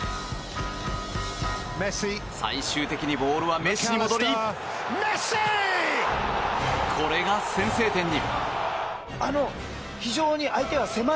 最終的にボールはメッシに戻りこれが先制点に。